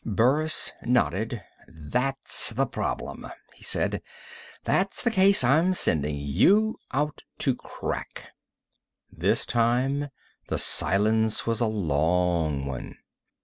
Burris nodded. "That's the problem," he said. "That's the case I'm sending you out to crack." This time, the silence was a long one.